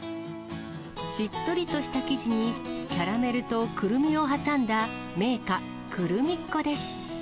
しっとりとした生地に、キャラメルとクルミを挟んだ銘菓、クルミッ子です。